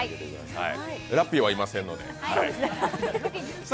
ラッピーはいませんので。